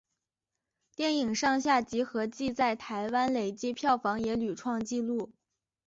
电影上下集合计在台湾累积票房也屡创纪录。